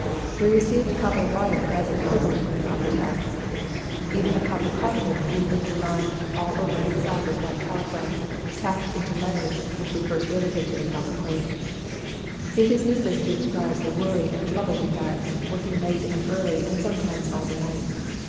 We re ceived copper wire as an equivalent for the copper tacks. Even the copper coffin we neatly lined all over inside with white calico tacked onto laths which were first riveted to the copper plate. "It is needless to describe the worry and trouble we had, working late and early, and sometimes all the night.